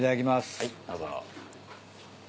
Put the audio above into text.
はいどうぞ。